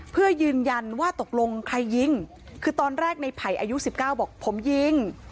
เพื่อยืนยันว่าตกลงใครยิงคือตอนแรกในไผ่อายุ๑๙บอกผมยิง